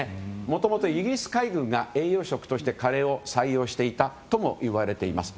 もともと、イギリス海軍が栄養食としてカレーを採用していたともいわれています。